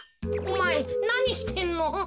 おまえなにしてんの？